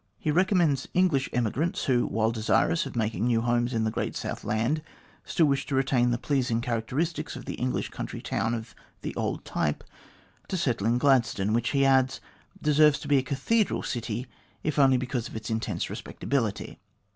He re commends English emigrants who, while desirous of making new homes in the great south land, still wish to retain the pleasing characteristics of the English country town of the old type, to settle in Gladstone, which, he adds, deserves to be a cathedral city, if only because of its intense respectability.